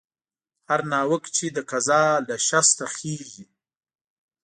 هر ناوک چې د قضا له شسته خېژي